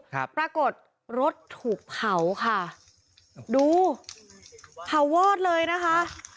ปรากฏรถถูกเผาค่ะดูเผาวอดเลยนะคะ